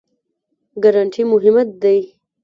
ګارنټي مهمه دی؟